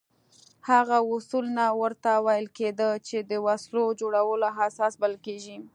هغه اصول نه ورته ویل کېده چې د وسلو جوړولو اساس بلل کېږي.